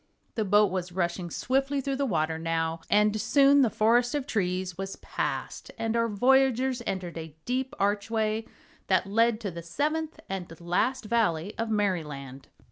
The boat was rushing swiftly through the water, now, and soon the forest of trees was passed and our voyagers entered a deep archway that led to the Seventh and last Valley of Merryland.